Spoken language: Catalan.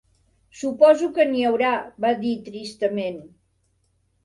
"Suposo que n'hi haurà", va dir tristament.